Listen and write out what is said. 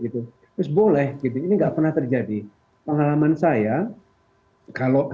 terus boleh ini nggak pernah terjadi pengalaman saya